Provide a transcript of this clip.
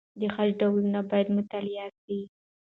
د خج ډولونه باید مطالعه سي.